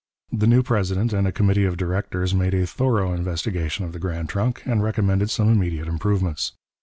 The new president and a committee of directors made a thorough investigation of the Grand Trunk, and recommended some immediate improvements.